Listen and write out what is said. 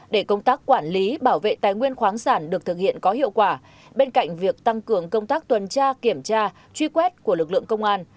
để công tác quản lý bảo vệ tài nguyên khoáng sản được thực hiện có hiệu quả bên cạnh việc tăng cường công tác tuần tra kiểm tra truy quét của lực lượng công an